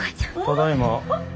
ただいま。